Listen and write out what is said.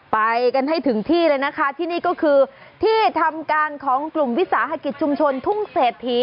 ไปกันให้ถึงที่เลยนะคะที่นี่ก็คือที่ทำการของกลุ่มวิสาหกิจชุมชนทุ่งเศรษฐี